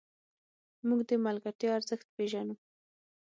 موږ د ملګرتیا ارزښت پېژنو.